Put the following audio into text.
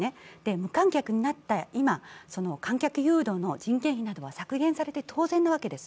無観客になった今、観客誘導の人件費などは削減された当然なわけです。